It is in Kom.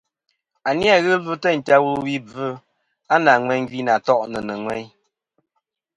A ni-a ghɨ ɨlvɨ teyn ta wulwi bvɨ nà ŋweyn gvi nà to'nɨ nɨ̀ ŋweyn.